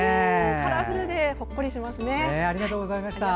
カラフルでほっこりしますね。